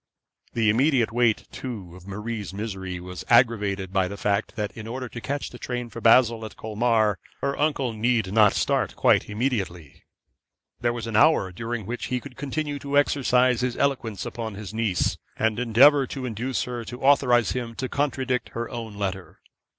The immediate weight, too, of Marie's misery was aggravated by the fact that in order to catch the train for Basle at Colmar, her uncle need not start quite immediately. There was an hour during which he could continue to exercise his eloquence upon his niece, and endeavour to induce her to authorise him to contradict her own letter.